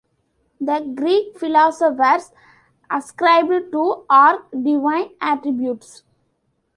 The Greek philosophers ascribed to "arche" divine attributes.